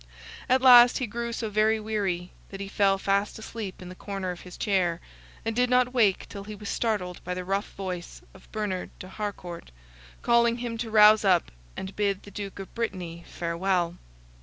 At last he grew so very weary, that he fell fast asleep in the corner of his chair, and did not wake till he was startled by the rough voice of Bernard de Harcourt, calling him to rouse up, and bid the Duke of Brittany farewell.